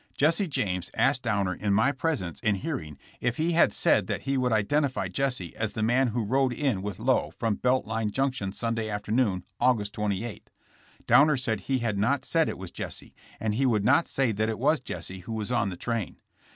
. Jesse James asked Downer in my presence and hearing if he had said that he would identify Jesse as the man who rode in with Lowe from Belt Line junction Sunday afternoon, August 28. Downer said he had not said it was Jesse, and he would not say that it was Jesse who was on the train.